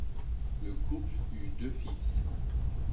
Le couple eut deux fils.